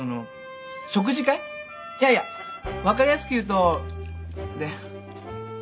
いやいや分かりやすく言うとデッデート。